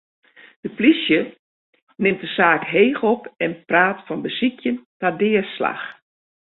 De polysje nimt de saak heech op en praat fan besykjen ta deaslach.